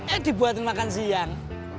eh dibuatin makan siang